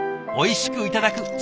おいしくいただく。